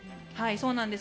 そうなんです。